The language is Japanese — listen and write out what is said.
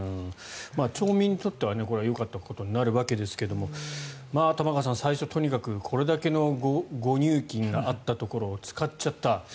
町民にとっては、これはよかったことになるわけですが玉川さん、最初とにかくこれだけの誤入金があったところを使っちゃった。